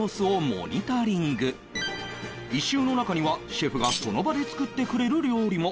一周の中にはシェフがその場で作ってくれる料理も